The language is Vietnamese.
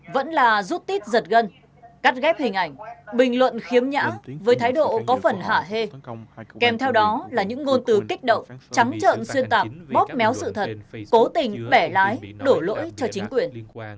vẫn là rút tít giật gân cắt ghép hình ảnh bình luận khiếm nhã với thái độ có phần hạ hê kèm theo đó là những ngôn từ kích động trắng trợn xuyên tạp bóp méo sự thật cố tình bẻ lái đổ lỗi cho chính quyền